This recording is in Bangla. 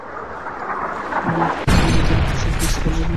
অ্যান্ড্রয়েড ফোন নির্মাতারা এসব প্যাঁচ পেলেও তারা অনেক দেরিতে হালনাগাদ করে।